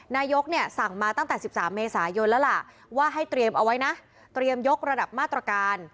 นายกเนี่ยสั่งมาตั้งแต่๑๓เมษายนแล้วล่ะว่าให้เตรียมเอาไว้นะเตรียมยกระดับมาตรการ